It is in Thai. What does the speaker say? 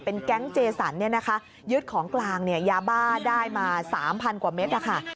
เป็นแก๊งเจสันยืดของกลางยาบ้าได้มา๓๐๐๐กว่าเมตร